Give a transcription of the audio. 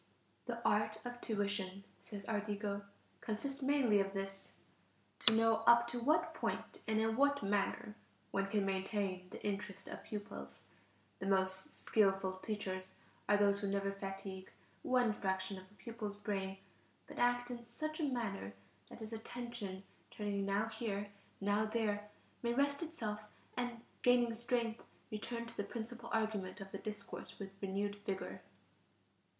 "The art of tuition," says Ardigo, "consists mainly of this: to know up to what point and in what manner one can maintain the interest of pupils. The most skilful teachers are those who never fatigue one fraction of the pupil's brain, but act in such a manner that his attention, turning now here, now there, may rest itself and, gaining strength, return to the principal argument of the discourse with renewed vigor."